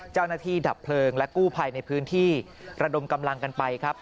เจ้านาทีดับเพลิงและกู้ไภในพื้นที่ระดมกำลังกันไปครับ